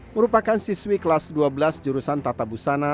merupakan siswi kelas dua belas jurusan tata busana